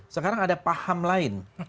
sekarang ada paham lain